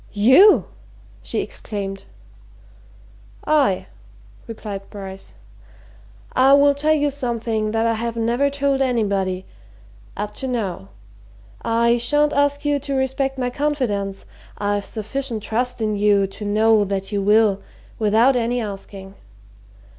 "You!" she exclaimed. "I!" replied Bryce. "I will tell you something that I have never told anybody up to now. I shan't ask you to respect my confidence I've sufficient trust in you to know that you will, without any asking.